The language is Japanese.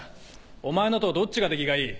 お前のとどっちが出来がいい？